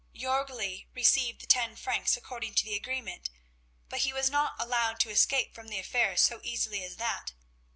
Jörgli received the ten francs according to the agreement, but he was not allowed to escape from the affair so easily as that.